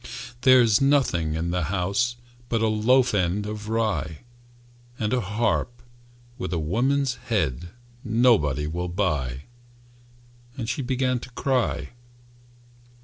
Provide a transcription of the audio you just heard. "There's nothing in the house But a loaf end of rye, And a harp with a woman's head Nobody will buy," And she began to cry.